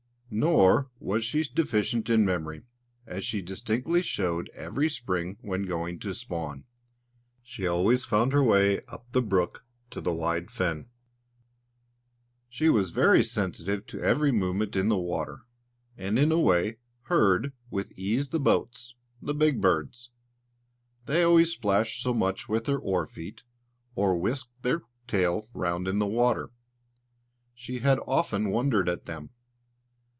Nor was she deficient in memory, as she distinctly showed every spring when going to spawn; she always found her way up the brook to the wide fen. She was very sensitive to every movement in the water, and in a way heard with ease the boats, "the big birds." They always splashed so much with their oar feet, or whisked their tail round in the water. She had often wondered at them!